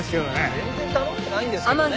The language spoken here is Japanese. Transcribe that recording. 全然頼んでないですけどね。